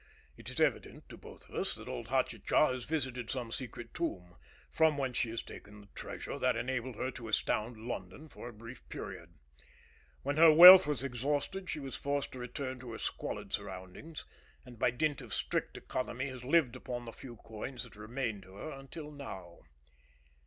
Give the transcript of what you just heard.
And it is evident to both of us that old Hatatcha has visited some secret tomb, from whence she has taken the treasure that enabled her to astound London for a brief period. When her wealth was exhausted she was forced to return to her squalid surroundings, and by dint of strict economy has lived upon the few coins that remained to her until now.